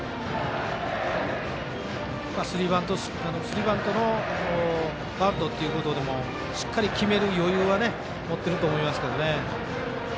スリーバントのバントっていうことでもしっかり決める余裕は持ってると思いますけどね。